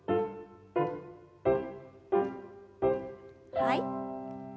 はい。